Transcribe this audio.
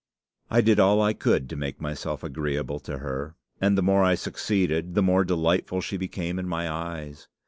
"I did all I could to make myself agreeable to her, and the more I succeeded the more delightful she became in my eyes.